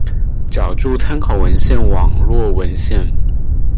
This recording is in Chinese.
脚注参考文献网络文献